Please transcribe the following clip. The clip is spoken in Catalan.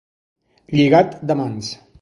Lligat de mans.